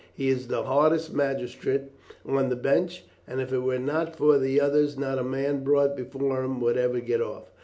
"He is the hardest magistrate on the bench, and if it were not for the others not a man brought before him would ever get off.